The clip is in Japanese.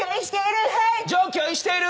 常軌を逸している。